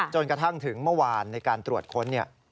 จนกระทั่งถึงเมื่อวานในการตรวจค้นเนี่ย